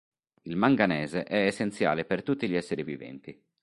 Il manganese è essenziale per tutti gli esseri viventi.